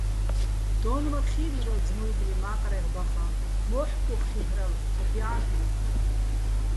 დო́ნმაქ ხი́ბჟრალო ძმუჲბლი მა́ყრეღ ბახაჼ, მოჰ̦კ უ̂ხ ხილ'რალო̆, თოფ ჲა́ლ'ეჼ.